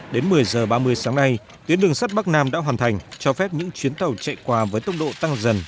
đến một mươi h ba mươi sáng nay tuyến đường sắt bắc nam đã hoàn thành cho phép những chuyến tàu chạy qua với tốc độ tăng dần